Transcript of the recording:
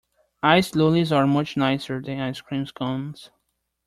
Ice lollies are much nicer than ice cream cones